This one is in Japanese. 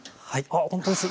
ほんとです。